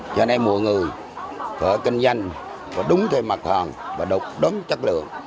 cho nên mọi người phải kinh doanh phải đúng thêm mặt hòn và đúng chất lượng